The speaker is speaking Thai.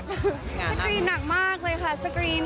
คือสกรีนหนักมากเลยค่ะสกรีน